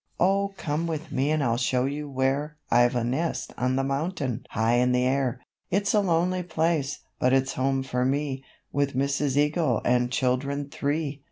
"O come with me and I'll show you where I've a nest on the mountain high in the air; It's a lonely place, but it's home for me, With Mrs. Eagle and children three."